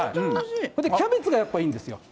キャベツがやっぱりいいんですよ。